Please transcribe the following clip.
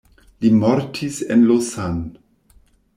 Li mortis en Lausanne.